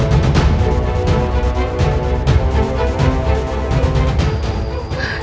tidak ada seorang pun yang bisa melukai